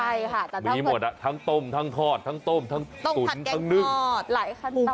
ใช่ค่ะมีหมดอ่ะทั้งต้มทั้งทอดทั้งต้มทั้งตุ๋นทั้งนึ่งทอดหลายขนาด